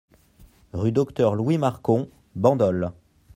Rue Docteur Louis Marcon, Bandol